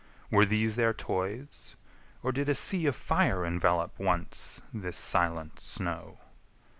Were these their toys? or did a sea Of fire envelop once this silent snow?